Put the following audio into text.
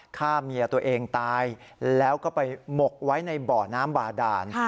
ฆ่าเมียตัวเองตายแล้วก็ไปหมกไว้ในบ่อน้ำบาดาน